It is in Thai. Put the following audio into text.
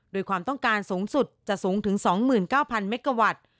โดยความต้องการสูงสุดจะสูงถึง๒๙๐๐เมกาวัตต์